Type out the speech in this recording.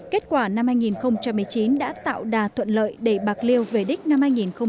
kết quả năm hai nghìn một mươi chín đã tạo đà thuận lợi để bạc liêu về đích năm hai nghìn hai mươi